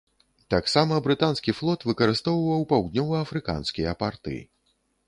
Таксама брытанскі флот выкарыстоўваў паўднева-афрыканскія парты.